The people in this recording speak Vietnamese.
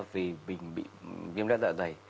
vì bệnh bị nghiêm đoạn dạ dày